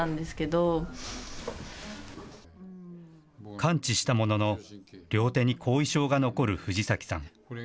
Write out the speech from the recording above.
完治したものの、両手に後遺症が残る藤崎さん。